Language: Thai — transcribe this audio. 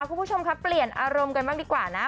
คุณผู้ชมครับเปลี่ยนอารมณ์กันบ้างดีกว่านะ